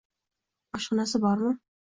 Oshxonasi bormi?